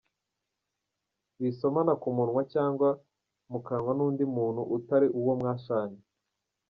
Wisomana ku munwa cyangwa mu kanwa n’undi muntu utari uwo mwashanye.